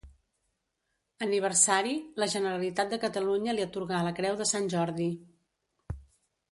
Aniversari, la Generalitat de Catalunya li atorgà la Creu de Sant Jordi.